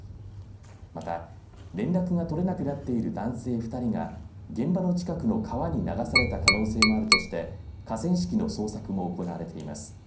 また、連絡が取れなくなっている男性２人が現場の近くの川に流された可能性もあるとして河川敷の捜索も行われています。